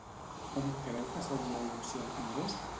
Com creu que seria un si el tingués?